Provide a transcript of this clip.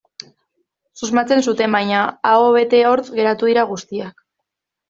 Susmatzen zuten, baina aho bete hortz geratu dira guztiak.